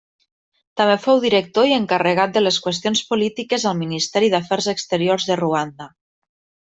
També fou director i encarregat de les qüestions polítiques al Ministeri d'Afers Exteriors de Ruanda.